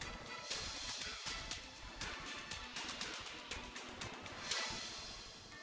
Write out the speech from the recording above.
hai keep up